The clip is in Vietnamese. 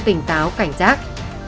tỉnh táo cảnh giác